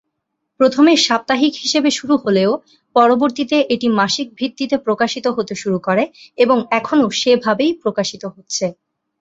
প্রথমে সাপ্তাহিক হিসেবে শুরু হলেও পরবর্তীতে এটি মাসিক ভিত্তিতে প্রকাশিত হতে শুরু করে এবং এখনও সেভাবেই প্রকাশিত হচ্ছে।